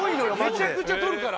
めちゃくちゃ取るから。